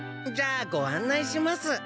じゃあご案内します。